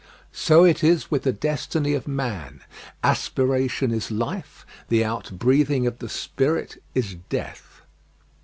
So it is with the destiny of man; aspiration is life, the outbreathing of the spirit is death.